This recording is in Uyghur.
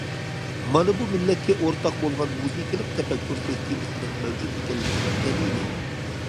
مانا بۇ مىللەتكە ئورتاق بولغان مۇزىكىلىق تەپەككۇر سىستېمىسىنىڭ مەۋجۇت ئىكەنلىكىنىڭ دەلىلى.